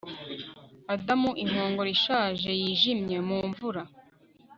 Adam inkongoro ishaje yijimye mu mvura